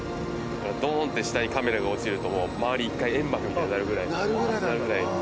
どんって下にカメラが落ちるともう周り１回煙幕みたいになるぐらいにあっなるぐらいあ